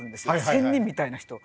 仙人みたいな人。